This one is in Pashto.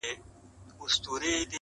څوك به اوښكي تويوي پر مينانو!.